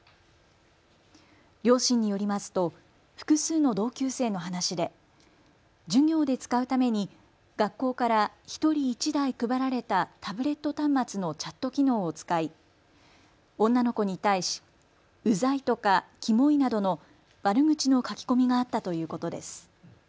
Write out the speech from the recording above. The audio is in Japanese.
両親によりますと複数の同級生の話で授業で使うために学校から１人１台配られたタブレット端末のチャット機能を使い女の子に対しうざいとかきもいなどの悪口の書き込みがあったということです。